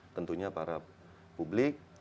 tentunya para publik